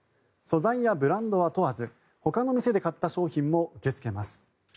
素材やブランドは問わずほかの店で買った商品も受け付けます。